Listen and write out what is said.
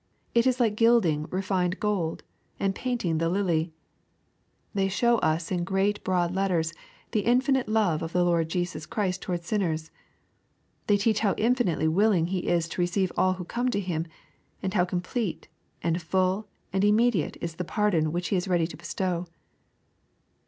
It is like gilding refined gold, and ^painting the lily, j /They show us in great broad letters the infinite love of • the Lord Jesus Christ towards sinners. They teach how infinitely willing He is to receive all who come to Him, and how complete, and full, and immediate is the pardon which He is ready to bestow.